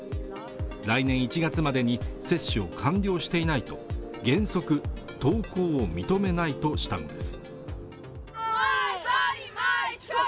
来年１月までに接種を完了していないと原則登校を認めないとしたのです